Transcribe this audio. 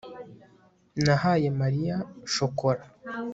nahaye mariya shokora